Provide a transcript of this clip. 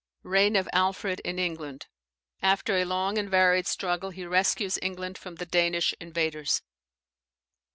Reign of Alfred in England. After a long and varied struggle, he rescues England from the Danish invaders.